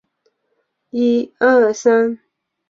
这被共和派和社会主义者称为一次巨大胜利。